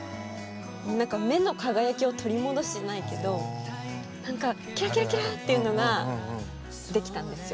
目の輝きを取り戻すじゃないけどキラキラキラっていうのができたんですよ。